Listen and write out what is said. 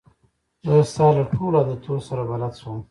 زه ستا له ټولو عادتو سره بلده شوم.